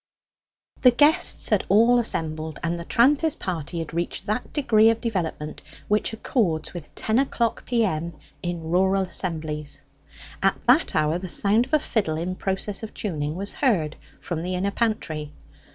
The guests had all assembled, and the tranter's party had reached that degree of development which accords with ten o'clock P.M. in rural assemblies. At that hour the sound of a fiddle in process of tuning was heard from the inner pantry.